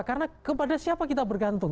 karena kepada siapa kita bergantung